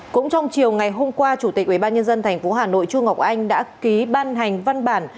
cũng trong chiều ngày hôm qua chủ tịch ubnd tp hà nội chu ngọc anh đã ký ban hành văn bản